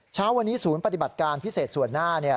เช้าวันนี้ศูนย์ปฏิบัติการพิเศษส่วนหน้าเนี่ย